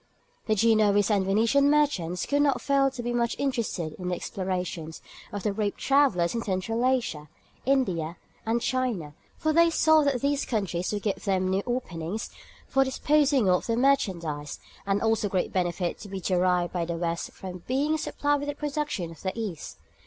The Genoese and Venetian merchants could not fail to be much interested in the explorations of the brave travellers in Central Asia, India, and China, for they saw that these countries would give them new openings for disposing of their merchandise, and also the great benefit to be derived by the West from being supplied with the productions of the East.